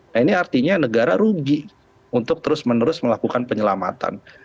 nah ini artinya negara rugi untuk terus menerus melakukan penyelamatan